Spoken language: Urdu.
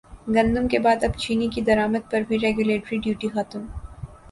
گندم کے بعد اب چینی کی درامد پر بھی ریگولیٹری ڈیوٹی ختم